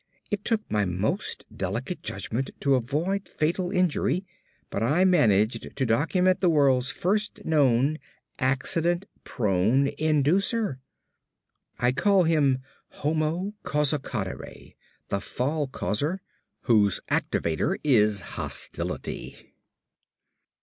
It took my most delicate judgment to avoid fatal injury but I managed to document the world's first known accident prone inducer. I call him Homo Causacadere, the fall causer, whose activator is hostility.